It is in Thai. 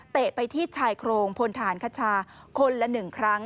ไปที่ชายโครงพลฐานคชาคนละ๑ครั้ง